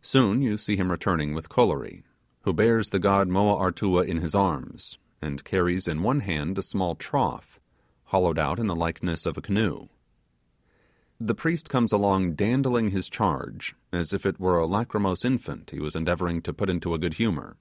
Soon you see him returning with Kolory, who bears the god Moa Artua in his arms, and carries in one hand a small trough, hollowed out in the likeness of a canoe. The priest comes along dandling his charge as if it were a lachrymose infant he was endeavouring to put into a good humour.